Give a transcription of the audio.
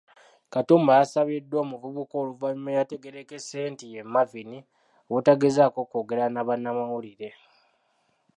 Katumba yasabiddwa omuvubuka oluvannyuma eyategeerekese nti ye Marvin, obutagezaako kwogera na bannamawulire.